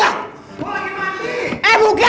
mau lagi mandi eh buka